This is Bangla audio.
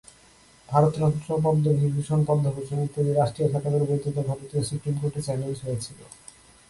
ভারতরত্ন, পদ্মবিভূষণ, পদ্মভূষণ ইত্যাদি রাষ্ট্রীয় খেতাবের বৈধতা ভারতের সুপ্রিম কোর্টে চ্যালেঞ্জ হয়েছিল।